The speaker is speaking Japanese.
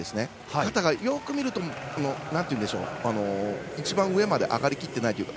肩が、よく見ると一番上まで上がりきってないというか。